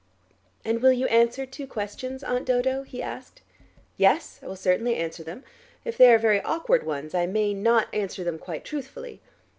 "And will you answer two questions, Aunt Dodo?" he asked. "Yes, I will certainly answer them. If they are very awkward ones I may not answer them quite truthfully."